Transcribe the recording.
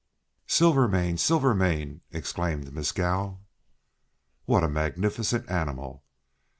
"Silvermane! Silvermane!" exclaimed Mescal. "What a magnificent animal!"